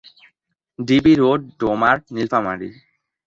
DB road, Domar, Nilphamari.